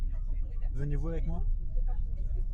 Venez-vous avec moi ?